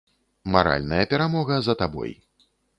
Маральная перамога за табой.